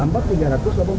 bangunan kesana pak